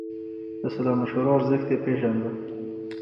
د سلا مشورو ارزښت يې پېژانده.